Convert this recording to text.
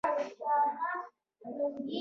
مور مې چیغې وهلې چې پوړونی یې باد یووړ.